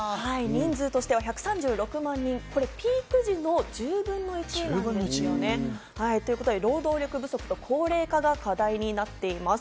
人数としては１３６万人、ピーク時の１０分の１なんですね。ということで労働力不足、高齢化が課題になっています。